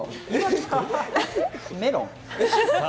メロン。